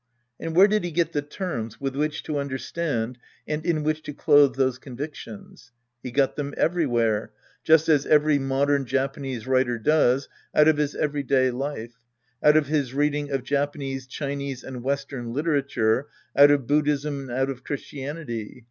And where did he get the terms with which to understand and in which to clothe those convictions? He got them everywhere, just as every modern Japanese writer does, out of his everyday life, out of his reading of Japanese, Chinese and western literature, out of Buddhism and out of Christianity.